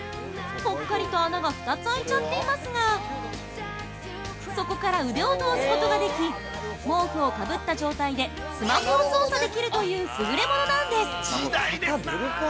ぽっかりと穴が２つあいちゃっていますがそこから腕を通すことができ毛布をかぶった状態でスマホを操作できるという優れものなんです。